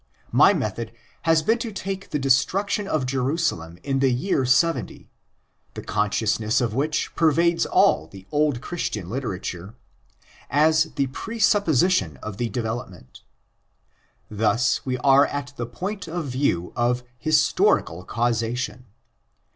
My method has been to take the destruction of Jerusalem in the year 70—the conscious ness of which pervades all the old Christian literature—as the pre supposition of the development. Thus we are at the point of view of historical causation.